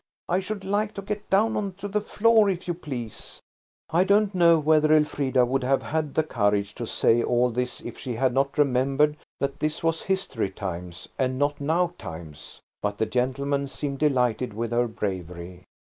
I should like to get down on to the floor, if you please!" I don't know whether Elfrida would have had the courage to say all this if she had not remembered that this was history times, and not now times. But the gentlemen seemed delighted with her bravery.